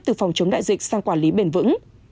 từ phòng chống đại dịch sang quản lý bền vững